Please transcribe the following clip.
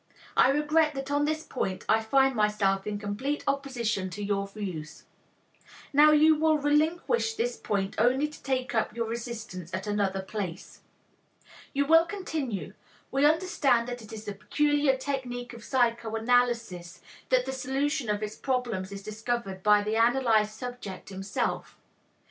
I regret that on this point I find myself in complete opposition to your views. Now you will relinquish this point only to take up your resistance at another place. You will continue, "We understand that it is the peculiar technique of psychoanalysis that the solution of its problems is discovered by the analyzed subject himself.